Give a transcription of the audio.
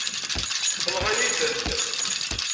Tenɣa-yi-tent.